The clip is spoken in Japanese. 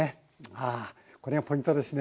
あこれがポイントですね。